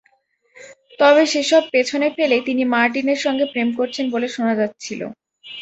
তবে সেসব পেছনে ফেলেই তিনি মার্টিনের সঙ্গে প্রেম করছেন বলে শোনা যাচ্ছিল।